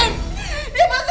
ini pasti gak dulu kan